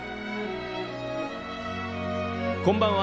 こんばんは。